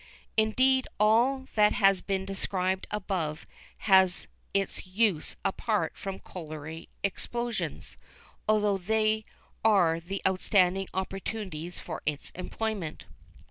Indeed all that has been described above has its use apart from colliery explosions, although they are the outstanding opportunities for its employment.